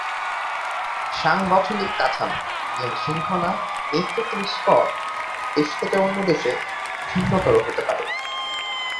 সাংগঠনিক কাঠামো, নিয়ম-শৃঙ্খলা, নেতৃত্বের স্তর এক দেশ থেকে অন্য দেশে ভিন্নতর হতে পারে।